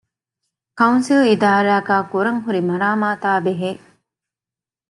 ކައުންސިލް އިދާރާގައި ކުރަންހުރި މަރާމާތާބެހޭ